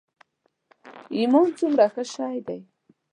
ایمان څومره ښه شی دی.